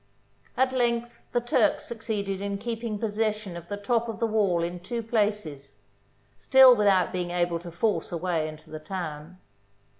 At length the Turks succeeded in keeping possession of the top of the wall in two places, still without being able to force a way into the town.